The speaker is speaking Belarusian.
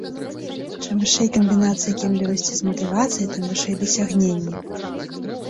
Чым вышэй камбінацыя кемлівасці з матывацыяй, тым вышэй дасягненні.